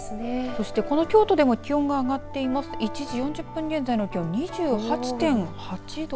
そしてこの京都でも気温が上がっていまして１時４０分現在の気温２８．８度。